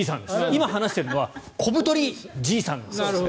今、話しているのは小太りじいさんです。